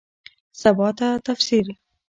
سباته ده تفسیر